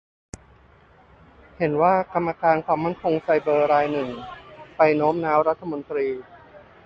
เห็นว่ากรรมการความมั่นคงไซเบอร์รายหนึ่งไปโน้มน้าวรัฐมนตรี